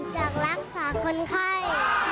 จากรักษาคนไข้